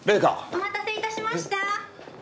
お待たせいたしました。